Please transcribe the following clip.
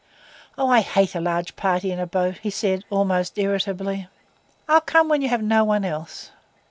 "Oh, I hate a large party in a boat," he said, almost irritably. "I'll come when you have no one else."